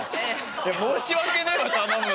いや申し訳ないわ頼むの。